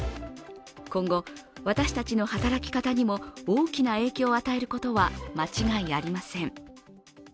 今後、私たちの働き方にも大きな影響を与えることは間違いありません。